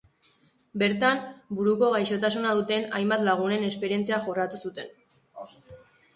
Bertan, buruko gaixotasuna duten hainbat lagunen esperientzia jorratu zuten.